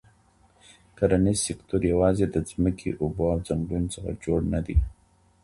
کرنیز سکتور یوازې د ځمکې، اوبو او ځنګلونو څخه جوړ نه دی.